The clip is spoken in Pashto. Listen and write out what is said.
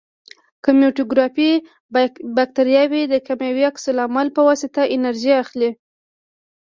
کیموټروفیک باکتریاوې د کیمیاوي عکس العمل په واسطه انرژي اخلي.